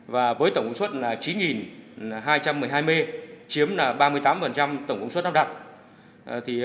và với tổng công suất chín hai trăm một mươi hai mê chiếm ba mươi tám tổng công suất nắp đặt